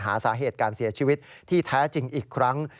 หาสาเหตุการเสียชีวิตที่แท้จริงอีกครั้ง